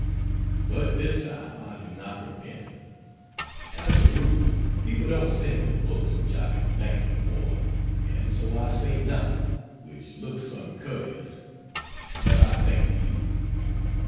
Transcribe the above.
But this time I do not repent. As a rule, people don't send me books which I can thank them for, and so I say nothing which looks uncourteous. But I thank you.